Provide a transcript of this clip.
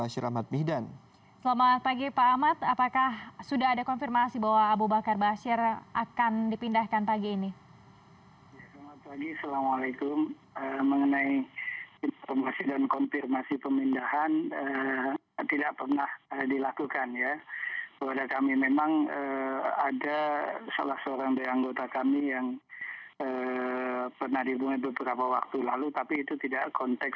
selamat pagi pak ahmad apakah sudah ada konfirmasi bahwa abu bakar baasyir akan dipindahkan pagi ini